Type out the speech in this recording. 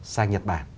sang nhật bản